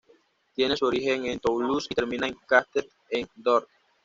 Tiene su origen en Toulouse y termina en Castets-en-Dorthe.